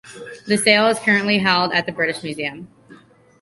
The sail is currently held at the British Museum.